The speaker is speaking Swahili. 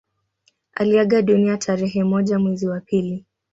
Aliaga dunia tarehe moja mwezi wa pili